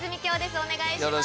お願いします。